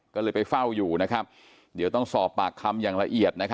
ก็เลยไปเฝ้าอยู่นะครับเดี๋ยวต้องสอบปากคำอย่างละเอียด